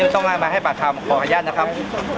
ขออนุญาตนะครับ